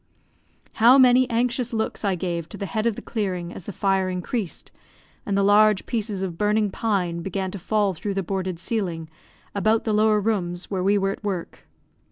How many anxious looks I gave to the head of the clearing as the fire increased, and the large pieces of burning pine began to fall through the boarded ceiling, about the lower rooms where we were at work.